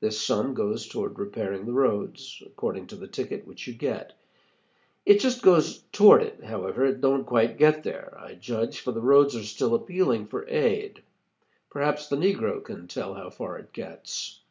This sum goes toward repairing the roads, according to the ticket which you get. It just goes toward it, however; it don't quite get there, I judge, for the roads are still appealing for aid. Perhaps the negro can tell how far it gets.